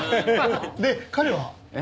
で彼は？